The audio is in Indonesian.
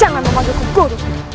jangan memaduku guru